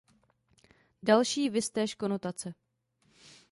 Další viz též konotace.